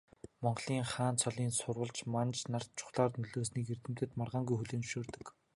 Монголын хаан цолын сурвалж манж нарт чухлаар нөлөөлснийг эрдэмтэд маргаангүй хүлээн зөвшөөрдөг.